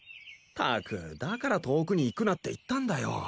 ったくだから遠くに行くなって言ったんだよ。